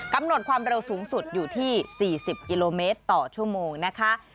กำหนดความเร็วสูงสุดอยู่ที่๔๐กิโลเมตรต่อชั่วโมงนะคะ